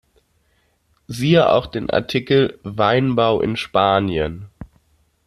Siehe auch den Artikel Weinbau in Spanien.